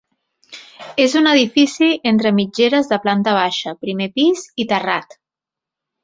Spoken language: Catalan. És un edifici entre mitgeres de planta baixa, primer pis i terrat.